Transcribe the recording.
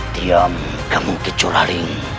diam kamu kecurah ring